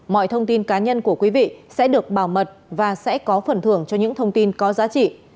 mọi thông tin cá nhân của quý vị sẽ được bảo mật và sẽ có phần thưởng cho những thông tin có giá trị